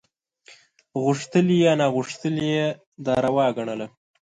غوښتلي یا ناغوښتلي یې دا روا ګڼله.